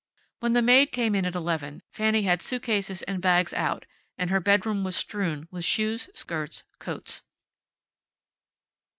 When the maid came in at eleven Fanny had suitcases and bags out, and her bedroom was strewn with shoes, skirts, coats.